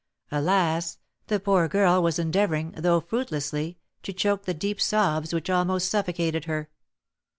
Alas! the poor girl was endeavouring, though fruitlessly, to choke the deep sobs which almost suffocated her.